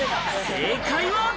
正解は。